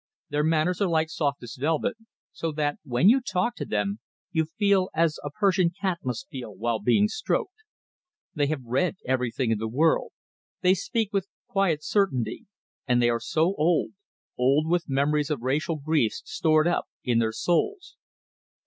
Their manners are like softest velvet, so that when you talk to them, you feel as a Persian cat must feel while being stroked. They have read everything in the world; they speak with quiet certainty; and they are so old old with memories of racial griefs stored up in their souls.